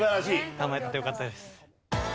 構えててよかったです。